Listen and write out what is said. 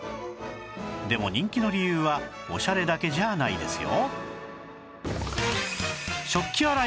でも人気の理由はオシャレだけじゃないですよ